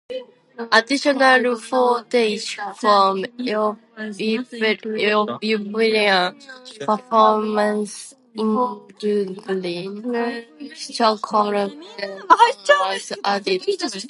Additional footage from European performances in Dublin, Stockholm and Berlin was also added.